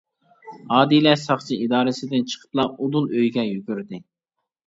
ئادىلە ساقچى ئىدارىسىدىن چىقىپلا ئۇدۇل ئۆيىگە يۈگۈردى.